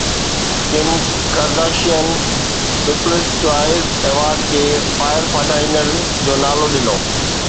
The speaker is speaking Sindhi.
Kim Kardashian people's choice award کي فائر فائائيندڙن جو نالو ڏنو